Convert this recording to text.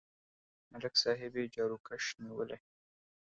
ملک صاحب یې جاروکش نیولی.